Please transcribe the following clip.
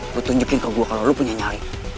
lo tunjukin ke gue kalau lo punya nyari